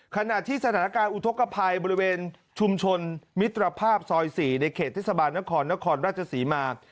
ขณะที่สถานการณ์อุทธกภัยบริเวณชุมชนมิตรภาพซอย๔ในเขตเทศบาลนครนครราชศรีมา